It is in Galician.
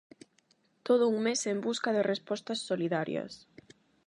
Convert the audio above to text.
Todo un mes en busca de respostas solidarias.